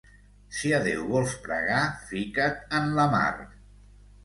Si a Déu vols pregar, fica't en la mar.